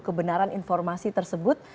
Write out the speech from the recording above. kebenaran informasi tersebut